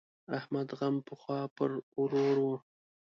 احمد غم پخوا پر ورور وو.